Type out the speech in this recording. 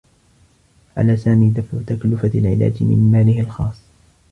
على سامي دفع تكلفة العلاج من ماله الخاص.